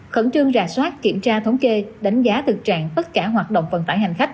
khẩn trương rà soát kiểm tra thống kê đánh giá thực trạng tất cả hoạt động vận tải hành khách